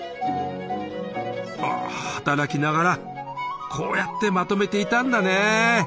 働きながらこうやってまとめていたんだね。